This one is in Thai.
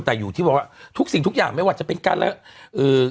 แต่อยู่ที่บอกว่าทุกสิ่งทุกอย่างไม่ว่าจะเป็นการแล้วเอ่อ